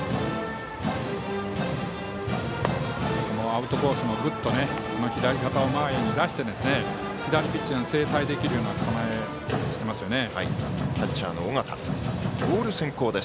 アウトコースもグッと左肩を前に出して左ピッチャーに正対できるような構えしてますよね。